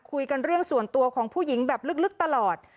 คุยกันเรื่องส่วนตัวของผู้หญิงแบบลึกตลอด